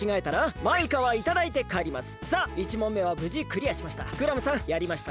さあ１問めはぶじクリアしました。